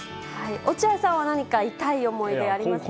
落合さんは何か痛い思いでありますか？